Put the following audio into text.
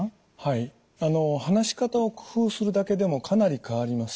話し方を工夫するだけでもかなり変わります。